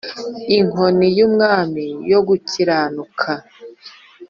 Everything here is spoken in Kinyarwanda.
inkoni y ubwami yo gukiranuka.